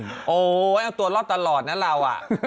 โอ้โหเอาตัวรอดตลอดนะเรา